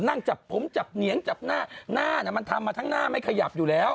นั่งจับผมจับเหนียงจับหน้าหน้ามันทำมาทั้งหน้าไม่ขยับอยู่แล้ว